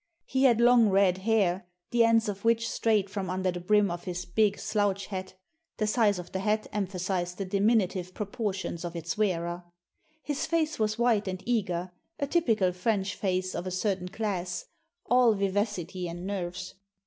He had long red hair, the ends of which strayed from under the brim of his big slouch hat — ^the size of the hat emphasised the diminutive proportions of its wearer. His face was white and eager, a typical French face of a certain class, all vivacity and nerves.